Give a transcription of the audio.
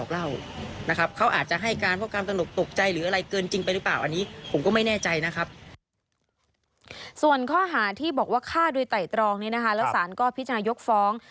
แล้วสารก็พิจาณายกฟ้อง